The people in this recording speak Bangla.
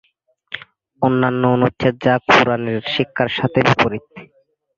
অন্যান্য অনুচ্ছেদ, যা কুরআনের শিক্ষার সাথে বিপরীত।